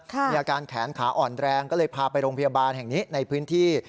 มีอาการแขนขาอ่อนแรงก็เลยพาไปโรงพยาบาลแห่งนี้ในพื้นที่